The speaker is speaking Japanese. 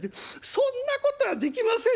『そんなことはできません！』。